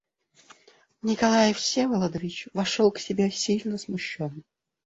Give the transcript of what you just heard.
Николай Всеволодович вошел к себе сильно смущенный.